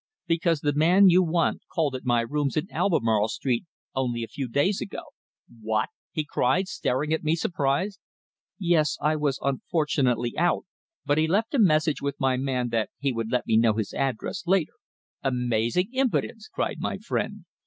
"Because the man you want called at my rooms in Albemarle Street only a few days ago." "What?" he cried, staring at me surprised. "Yes, I was unfortunately out, but he left a message with my man that he would let me know his address later." "Amazing impudence!" cried my friend.